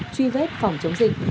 truy vết phòng chống dịch